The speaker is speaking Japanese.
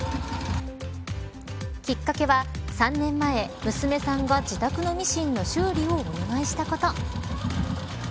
きっかけは、３年前娘さんが自宅のミシンの修理をお願いしたこと。